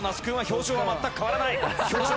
表情は全く変わらない！